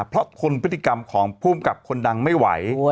เพราะทนพฤติกรรมของภูมิกับคนดังไม่ไหว